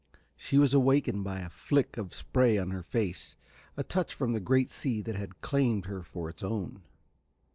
She was awakened by a flick of spray on her face, a touch from the great sea that had claimed her for its own.